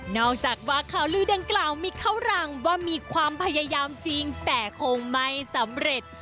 จากว่าข่าวลือดังกล่าวมีข้าวรังว่ามีความพยายามจริงแต่คงไม่สำเร็จ